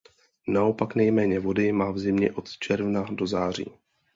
Naopak nejméně vody má v zimě od června do září.